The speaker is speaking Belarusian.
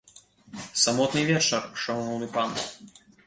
Самотны вечар, шаноўны пан.